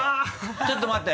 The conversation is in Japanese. ちょっと待って。